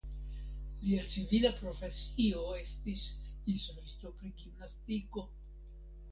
Lia civila profesio estis instruisto pri gimnastiko.